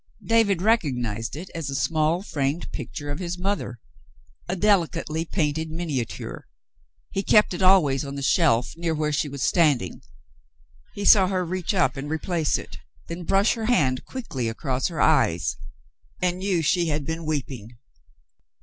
David recognized it as a small, framed picture of his mother — a delicately painted miniature. He kept it always on the shelf near which she was standing. He saw her reach up and replace it, then brush her hand quickly across her eyes, and knew she had been weeping.